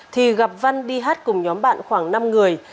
thì gặp văn đi hát cùng nhóm bạn khoảng năm người